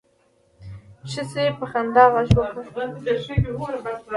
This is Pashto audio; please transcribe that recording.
ښځې په خندا غږ وکړ.